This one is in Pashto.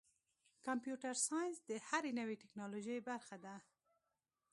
کمپیوټر ساینس د هرې نوې ټکنالوژۍ برخه ده.